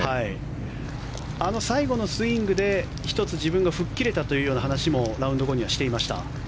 あの最後のスイングで１つ自分が吹っ切れたというような話もラウンド後にはしていました。